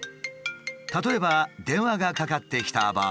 例えば電話がかかってきた場合。